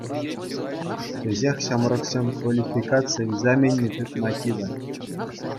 Кӗҫех ҫамӑрксен квалификаци экзаменне тытма тивӗ.